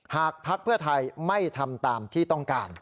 ภักดิ์เพื่อไทยไม่ทำตามที่ต้องการ